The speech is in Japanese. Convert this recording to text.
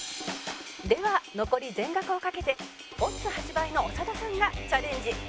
では残り全額を賭けてオッズ８倍の長田さんがチャレンジ